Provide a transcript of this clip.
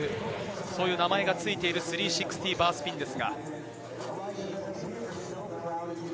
そういう名前がついている、３６０バースピンです。